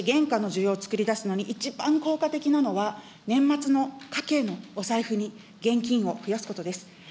そしてげんかの需要を作り出すのに一番効果的なのは、年末の家計のお財布に、現金を増やすことです。